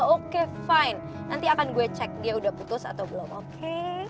oke fine nanti akan gue cek dia udah putus atau belum oke